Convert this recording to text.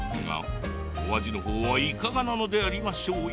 お味の方いかがなものでありましょうや。